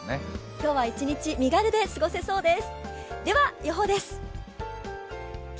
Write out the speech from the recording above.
今日は一日、身軽で過ごせそうです。